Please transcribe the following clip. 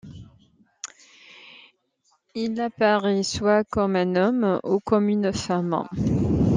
Il apparait soit comme un homme ou comme une femme.